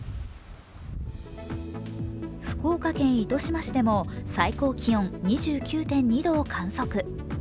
福岡県糸島市でも最高気温２９．２度を観測。